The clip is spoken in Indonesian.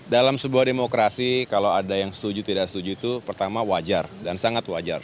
dalam sebuah demokrasi kalau ada yang setuju tidak setuju itu pertama wajar dan sangat wajar